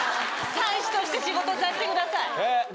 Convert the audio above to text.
大使として仕事させてください。